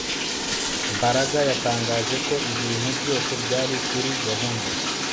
Mbaraga yatangaje ko ibintu byose byari kuri gahunda